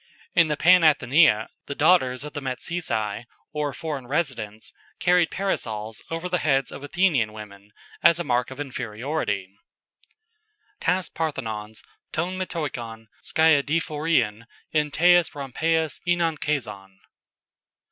In the Panathenæa, the daughters of the Metceci, or foreign residents, carried Parasols over the heads of Athenian women as a mark of inferiority, "tas parthenons ton metoikon skiadaephorein en tais rompais aenankazon."